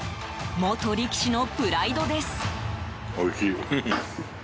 元力士のプライドです。